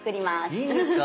いいんですか？